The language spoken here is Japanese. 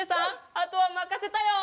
あとはまかせたよ！